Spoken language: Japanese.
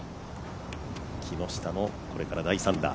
木下のこれから第３打。